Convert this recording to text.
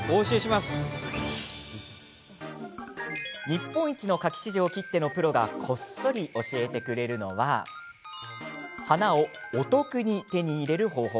日本一の花き市場きってのプロがこっそり教えてくれるのは花を、お得に手に入れる方法。